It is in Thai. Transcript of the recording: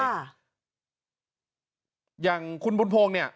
อย่างคุณพุนโภงเนี่ย